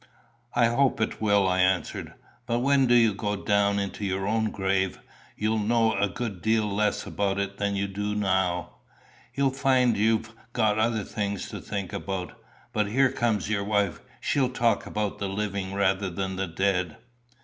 "I hope it will," I answered. "But when you do go down into your own grave, you'll know a good deal less about it than you do now. You'll find you've got other things to think about. But here comes your wife. She'll talk about the living rather than the dead."